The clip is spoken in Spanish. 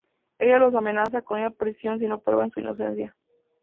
Ella los amenaza con ir a prisión si no prueban su inocencia.